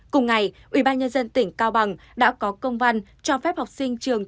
cùng ngày ubnd tỉnh cao bằng đã có công văn cho phép học sinh trường